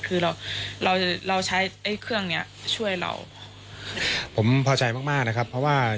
คือเราใช้เครื่องนี้ช่วยเรา